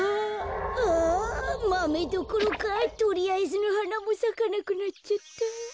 あマメどころかとりあえずのはなもさかなくなっちゃった。